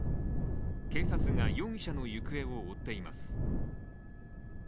警察が容疑者の行方を追っています。